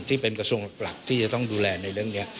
ที่เป็นกระทรวงหลักที่จะต้องดูแลในเรื่องนี้